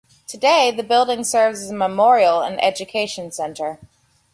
Today, the building serves as a memorial and education centre.